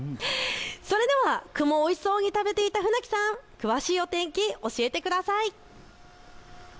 それでは雲、おいしそうに食べていた船木さん詳しい天気、教えてください。